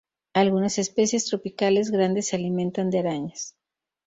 Algunas especies tropicales grandes se alimentan de arañas.